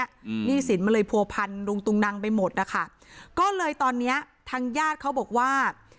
หนี้สินมันเลยผัวพันลุงตุงนังไปหมดนะคะก็เลยตอนเนี้ยทางญาติเขาบอกว่า